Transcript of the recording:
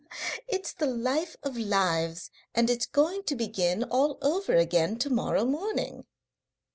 "It's the life of lives, and it's going to begin all over again to morrow morning."